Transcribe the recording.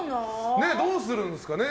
どうするんですかね。